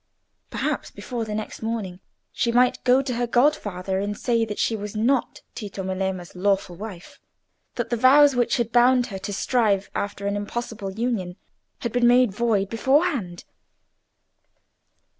Perhaps before the next morning she might go to her godfather and say that she was not Tito Melema's lawful wife—that the vows which had bound her to strive after an impossible union had been made void beforehand.